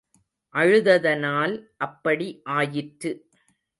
அழுததனால் அப்படி ஆயிற்று.